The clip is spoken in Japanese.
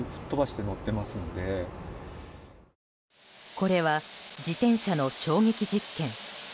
これは自転車の衝撃実験。